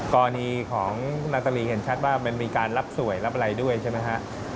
กรณีของนาตรีเห็นชัดว่ามันมีการรับสวยรับอะไรด้วยใช่ไหมฮะ